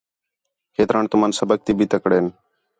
کھیتران تُمن سبق تی بھی تکڑین